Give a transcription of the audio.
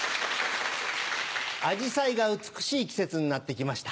アジサイが美しい季節になって来ました。